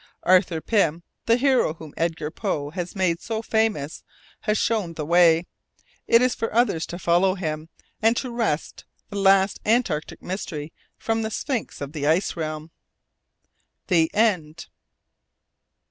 Arthur Pym, the hero whom Edgar Poe has made so famous, has shown the way. It is for others to follow him, and to wrest the last Antarctic Mystery from the Sphinx of the Ice realm. THE END.